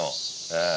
ええ。